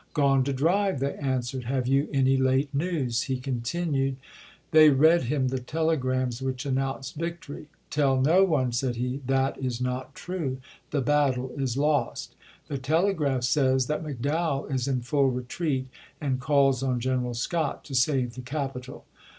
" Gone to drive," they answered. "Have you any late news ?" he continued. They read him the tele grams which announced victory. " Tell no one," said he. "That is not tiaie. The battle is lost. The telegraph says that McDowell is in full retreat, and calls on General Scott to save the capital.